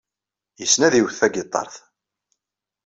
Yessen ad iwet tagiṭart.